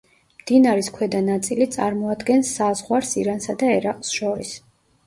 მდინარის ქვედა ნაწილი წარმოადგენს საზღვარს ირანსა და ერაყს შორის.